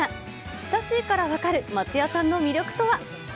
親しいから分かる松也さんの魅力とは。